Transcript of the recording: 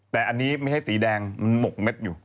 แต่อันนี้ไม่ใช่สีแดงมันหมกเม็ดอยู่